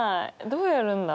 どうやるんだ？